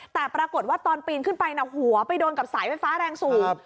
แต่ปรากฏว่าตอนปีนขึ้นไปหัวไปโดนกับสายไฟฟ้าแรงสูง